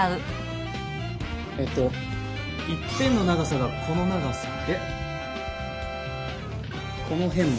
えっと一辺の長さがこの長さでこの辺も。